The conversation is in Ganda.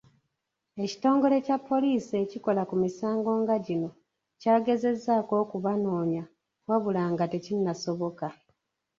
Ekitongole kya Poliisi ekikola ku misango nga gino kyagezezzaako okubanoonya wabula nga tekinnasoboka.